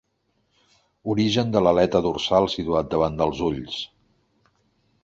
Origen de l'aleta dorsal situat davant dels ulls.